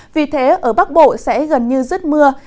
vì thế ở bắc bộ sẽ gần như rứt mưa